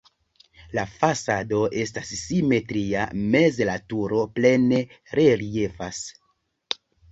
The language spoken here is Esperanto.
La fasado estas simetria, meze la turo plene reliefas.